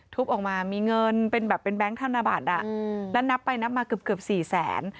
ออกมามีเงินเป็นแบบเป็นแบงค์ธนบัตรแล้วนับไปนับมาเกือบสี่แสน